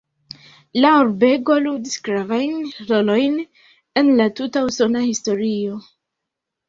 La urbego ludis gravajn rolojn en la tuta usona historio.